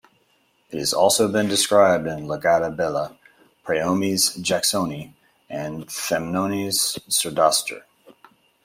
It has also been described in "Leggada bella", "Praomys jacksoni" and "Thamnomys surdaster.